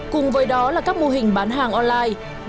cùng với đó là các mô hình bán hàng online